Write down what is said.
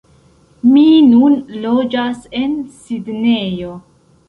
Mi nun loĝas en Sidnejo